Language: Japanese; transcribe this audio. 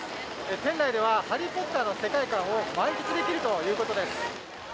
店内では「ハリー・ポッター」の世界観を満喫できるということです。